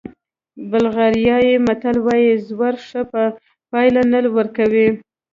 بلغاریایي متل وایي زور ښه پایله نه ورکوي.